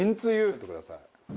取ってください。